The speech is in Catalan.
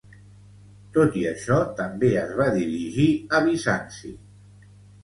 Tot i això, també es va dirigir a Bizanci.